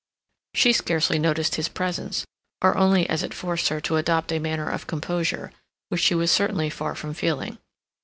She scarcely noticed his presence, or only as it forced her to adopt a manner of composure, which she was certainly far from feeling.